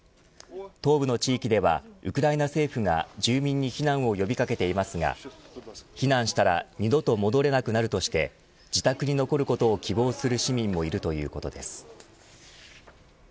東部の地域ではウクライナ政府が住民に避難を呼び掛けていますが避難したら二度と戻れなくなるとして自宅に戻ることを希望する市民もいるということです。